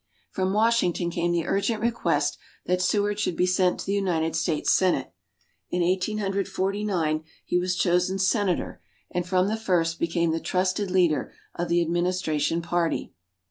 From Washington came the urgent request that Seward should be sent to the United States Senate. In Eighteen Hundred Forty nine, he was chosen senator and from the first became the trusted leader of the administration party.